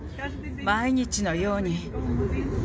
毎日のように。